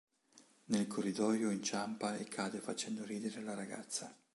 Nel corridoio inciampa e cade facendo ridere la ragazza.